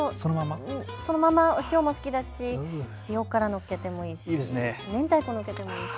そのままお塩も好きだし塩辛、のっけてもいいしめんたいこのっけてもいいし。